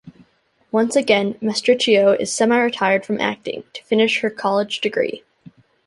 Once again, Mastricchio is semi-retired from acting, to finish her college degree.